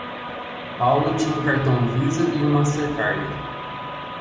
Paulo tinha um cartão Visa e um Mastercard.